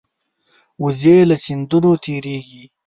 وزې له سیندونو تېرېږي